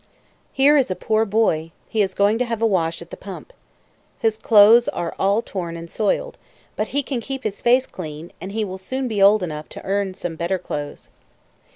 Here is a poor boy; he is going to have a wash at the pump. His clothes are all torn and soiled, but he can keep his face clean, and he will soon be old enough to earn some better clothes.